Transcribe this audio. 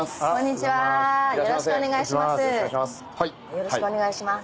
よろしくお願いします。